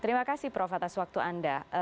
terima kasih prof atas waktu anda